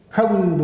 không đùn đẩy